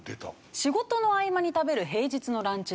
仕事の合間に食べる平日のランチ